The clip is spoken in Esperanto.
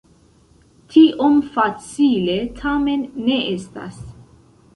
Tiom facile tamen ne estas.